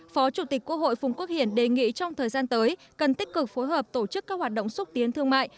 phó chủ tịch quốc hội phùng quốc hiển đề nghị trong thời gian tới cần tích cực phối hợp tổ chức các hoạt động xúc tiến thương mại